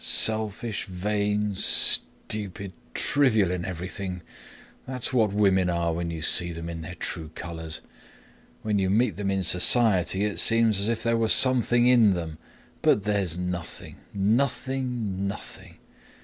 Selfish, vain, stupid, trivial in everything—that's what women are when you see them in their true colors! When you meet them in society it seems as if there were something in them, but there's nothing, nothing, nothing!